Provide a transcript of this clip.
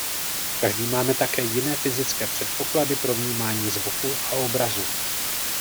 Každý máme také jiné fyzické předpoklady pro vnímání zvuku a obrazu.